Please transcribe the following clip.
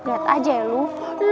liat aja ya lu